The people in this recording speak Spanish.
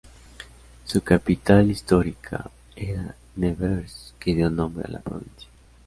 Su capital histórica era Nevers, que dio nombre a la provincia.